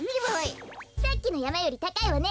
さっきのやまよりたかいわね。